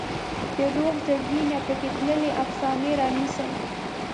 د روغ زړګي نه پکې تللې افسانې رانیسم